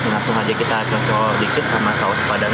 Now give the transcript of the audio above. langsung saja kita cocok sedikit sama saus padannya